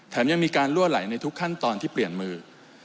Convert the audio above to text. ยังมีการลั่วไหลในทุกขั้นตอนที่เปลี่ยนมือ